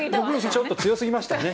ちょっと強すぎましたね